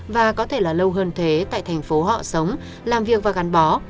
và có thể là lâu hơn thế tại thành phố họ sống làm việc và gắn bó